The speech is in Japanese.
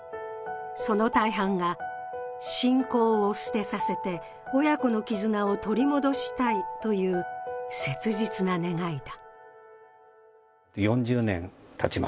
その大半が、信仰を捨てさせて親子の絆を取り戻したいという切実な願いだ。